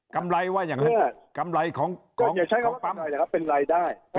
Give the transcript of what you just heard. กำไรของปั๊มเป็นรายได้ค่าใช้จ่ายของครับ